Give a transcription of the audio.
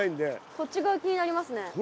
こっち側気になりますね。